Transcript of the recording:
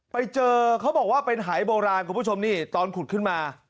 ไปเจอเขาบอกว่าเป็นหายโบราณคุณผู้ชมนี่ตอนขุดขึ้นมา